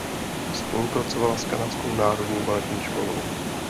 Spolupracovala s Kanadskou národní baletní školou.